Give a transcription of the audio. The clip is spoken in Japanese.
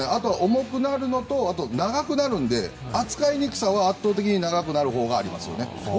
重くなるのと、長くなるので扱いにくさは圧倒的に長くなるほうがありますよね。